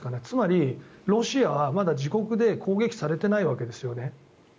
つまり、ロシアはまだ自国で攻撃されていないわけですよね。